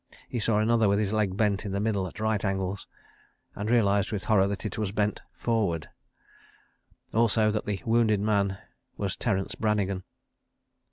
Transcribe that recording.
He saw another with his leg bent in the middle at right angles—and realised with horror that it was bent forward. Also that the wounded man was Terence Brannigan.